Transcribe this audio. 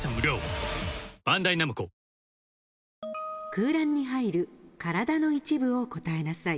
空欄に入る体の一部を答えなさい。